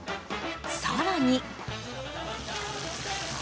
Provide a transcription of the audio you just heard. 更に。